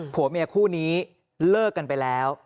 คู่พวกมีแม่คู่นี้เลิกกันไปแล้ว